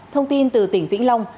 thông tin từ tỉnh vĩnh long